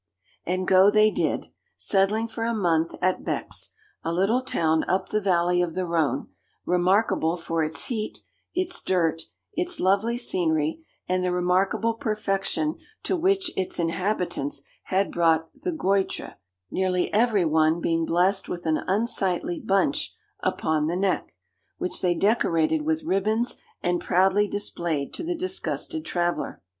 And go they did, settling for a month at Bex, a little town up the valley of the Rhone, remarkable for its heat, its dirt, its lovely scenery, and the remarkable perfection to which its inhabitants had brought the goître, nearly every one being blessed with an unsightly bunch upon the neck, which they decorated with ribbons and proudly displayed to the disgusted traveller.